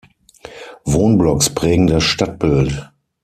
Wohnblocks prägen das Stadtbild.